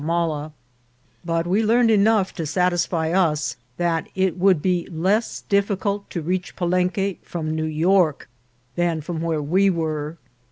timala ; but we learned enough to satisfy us that it would be less difficult to reach Palenque from New York than from where we were.